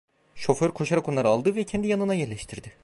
Şoför koşarak onları aldı ve kendi yanına yerleştirdi.